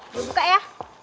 gue buka ya